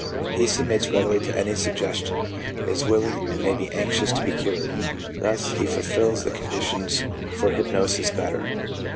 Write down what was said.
He submits readily to any suggestion, is willing and may be anxious to be cured. Thus he fulfils the conditions for hypnosis better.